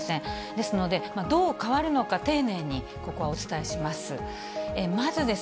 ですので、どう変わるのか、丁寧にここはお伝えします。